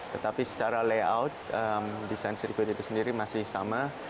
tetapi secara layout desain sirkuit itu sendiri masih sama